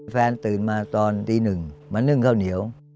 ตื่นมาตอนตีหนึ่งมานึ่งข้าวเหนียว